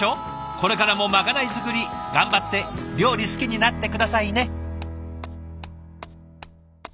これからもまかない作り頑張って料理好きになって下さいね。